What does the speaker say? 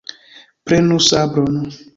Prenu sabron!